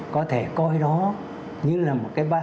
có thể coi đó như là một cái khâu mắc miếu